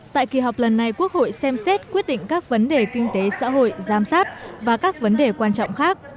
tại kỳ họp lần này quốc hội xem xét quyết định các vấn đề kinh tế xã hội giám sát và các vấn đề quan trọng khác